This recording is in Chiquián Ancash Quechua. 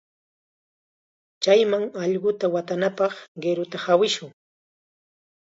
Chayman allquta watanapaq qiruta hawishun.